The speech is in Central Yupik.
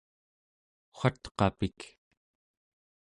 watqapik